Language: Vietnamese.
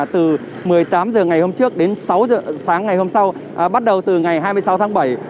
từ một mươi tám h ngày hôm trước đến sáu h sáng ngày hôm sau bắt đầu từ ngày hai mươi sáu tháng bảy